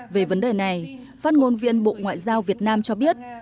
về vấn đề này phát ngôn viên bộ ngoại giao việt nam cho biết